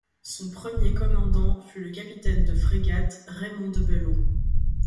Son premier commandant fut le capitaine de frégate Raymond de Belot.